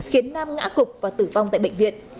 khiến nam ngã cục và tử vong tại bệnh viện